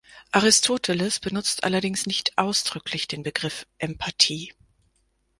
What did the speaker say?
Aristoteles benutzt allerdings nicht ausdrücklich den Begriff „Empathie“.